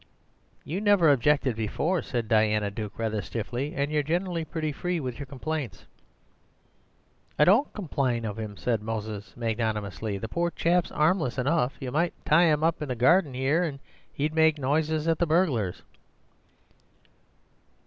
"You never objected before," said Diana Duke rather stiffly, "and you're generally pretty free with your complaints." "I don't compline of him," said Moses magnanimously, "the poor chap's 'armless enough; you might tie 'im up in the garden here and 'e'd make noises at the burglars."